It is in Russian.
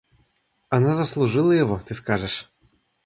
Она заслужила его, ты скажешь.